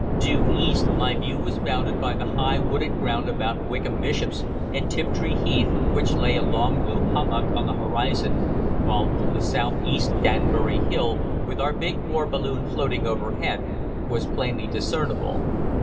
Due east my view was bounded by the high wooded ground about Wickham Bishops and Tiptree Heath, which lay a long blue hummock on the horizon, while to the south east Danbury Hill, with our big war balloon floating overhead, was plainly discernible.